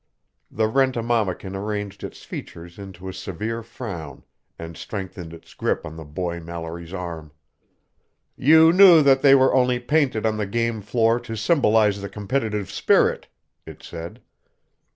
The rent a mammakin arranged its features into a severe frown and strengthened its grip on the boy Mallory's arm. "You knew that they were only painted on the game floor to symbolize the Competitive Spirit," it said.